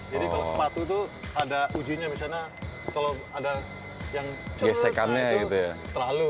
jadi kalau sepatu itu ada ujinya misalnya kalau ada yang terlalu terlalu